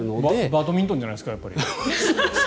バドミントンじゃないですか、やっぱり。